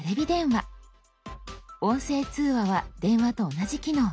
「音声通話」は電話と同じ機能。